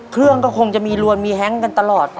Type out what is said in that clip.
เครื่องก็คงจะมีรวนมีแฮงกันตลอด